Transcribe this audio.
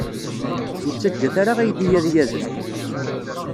Ur ttaǧǧat ara aydi ad d-yadef.